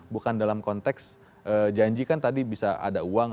bukan dalam konteks janji kan tadi bisa ada uang